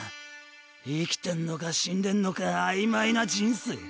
生きてんのか死んでんのか曖昧な人生！